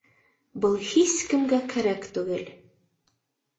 Был һис кемгә кәрәк түгел